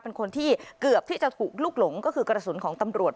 เป็นคนที่เกือบที่จะถูกลุกหลงก็คือกระสุนของตำรวจ